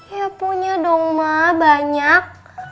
ya punya dong ma banyak